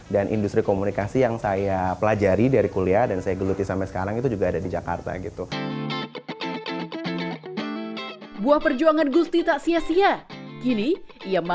dan industri komunikasi yang saya pelajari dari kuliah dan saya geluti sampai sekarang itu juga ada di jakarta